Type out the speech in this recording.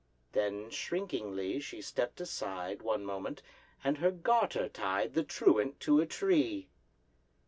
Then shrinkingly she stepped aside One moment, and her garter tied The truant to a tree.